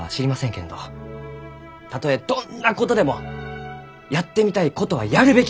けんどたとえどんなことでもやってみたいことはやるべきです！